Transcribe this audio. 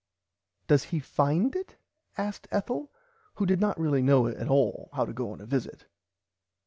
Does he find it asked Ethel who did not really know at all how to go on at a visit.